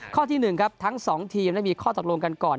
ข้อที่๑ครับทั้ง๒ทีมได้มีข้อตกลงกันก่อน